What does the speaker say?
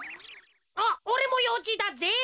あっおれもようじだぜ。